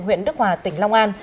huyện đức hòa tỉnh long an